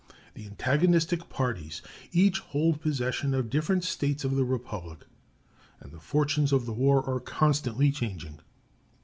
The antagonist parties each hold possession of different States of the Republic, and the fortunes of the war are constantly changing.